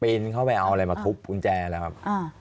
เป็นเข้าไปเอาอะไรมาทุบกุญแจอะไรนะครับ